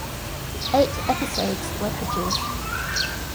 Eight episodes were produced.